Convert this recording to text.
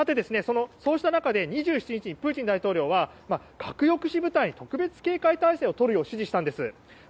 そうした中で２７日プーチン大統領は核抑止部隊に特別警戒態勢をとるよう指示したんです。